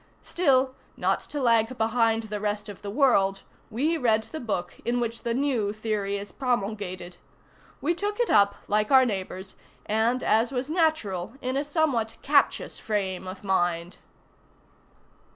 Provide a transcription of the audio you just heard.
Still, not to lag behind the rest of the world, we read the book in which the new theory is promulgated. We took it up, like our neighbors, and, as was natural, in a somewhat captious frame of mind.